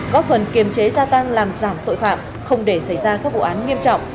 góp phần kiềm chế gia tăng làm giảm tội phạm không để xảy ra các vụ án nghiêm trọng